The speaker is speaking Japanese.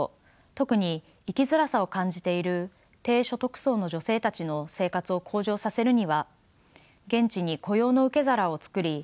特に生きづらさを感じている低所得層の女性たちの生活を向上させるには現地に雇用の受け皿を作り